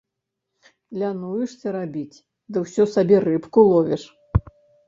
Лянуешся рабіць, ды ўсё сабе рыбку ловіш.